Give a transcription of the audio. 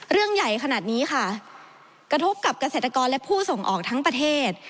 เรื่องใหญ่ขนาดนี้ค่ะกระทบกับเกษตรกรและผู้ส่งออกทั้งประเทศ